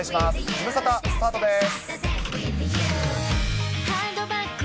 ズムサタ、スタートです。